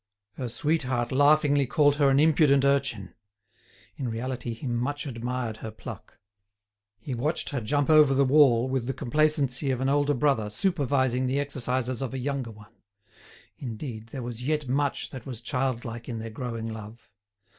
Her sweetheart laughingly called her an impudent urchin. In reality he much admired her pluck. He watched her jump over the wall with the complacency of an older brother supervising the exercises of a younger one. Indeed, there was yet much that was childlike in their growing love.